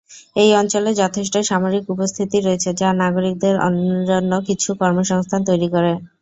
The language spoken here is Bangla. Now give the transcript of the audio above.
এই অঞ্চলে যথেষ্ট সামরিক উপস্থিতি রয়েছে, যা নাগরিকদের জন্য কিছু কর্মসংস্থান তৈরি করে।